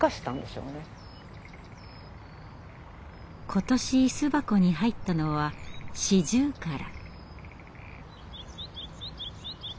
今年巣箱に入ったのはシジュウカラ。